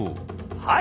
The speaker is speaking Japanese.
はい。